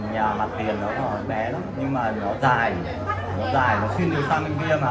nhà mặt tiền nó còn bé lắm nhưng mà nó dài nó dài nó xin được sang bên kia mà